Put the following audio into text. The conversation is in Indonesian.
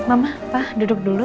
mama pa duduk dulu